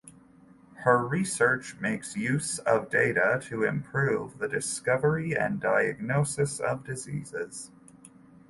Her research makes use of data to improve the discovery and diagnosis of diseases.